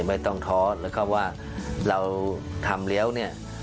ไม่ต้องท้อแล้วก็ว่าเราทำแล้วเนี่ย